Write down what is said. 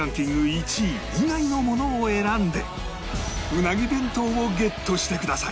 １位以外のものを選んでうなぎ弁当をゲットしてください